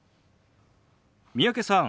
三宅さん